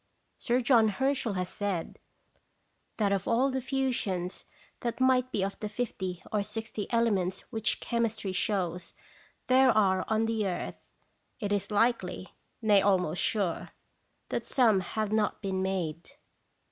Sir John Herschel has said, that of all the fusions that might be of the fifty or sixty ele ments which chemistry shows there are on the earth, it is likely nay, almost sure that some have not been made.